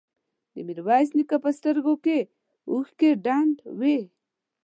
د ميرويس نيکه په سترګو کې اوښکې ډنډ وې.